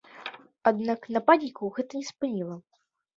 Аднак нападнікаў гэта не спыніла.